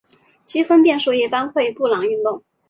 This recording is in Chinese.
积分变数一般会布朗运动。